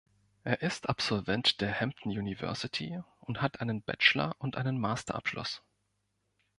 Er ist Absolvent der Hampton University und hat einen Bachelor- und einen Master-Abschluss.